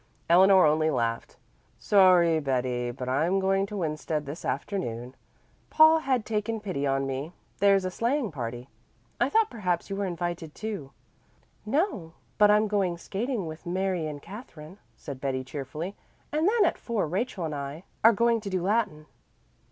Eleanor only laughed. "Sorry, Betty, but I'm going to Winsted this afternoon. Paul has taken pity on me; there's a sleighing party. I thought perhaps you were invited too." "No, but I'm going skating with Mary and Katherine," said Betty cheerfully, "and then at four Rachel and I are going to do Latin."